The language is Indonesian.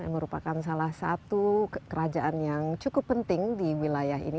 merupakan salah satu kerajaan yang cukup penting di wilayah ini